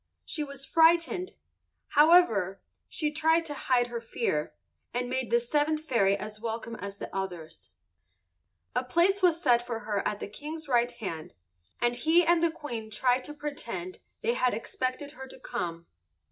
She was frightened. However, she tried to hide her fear, and made the seventh fairy as welcome as the others. A place was set for her at the King's right hand, and he and the Queen tried to pretend they had expected her to come.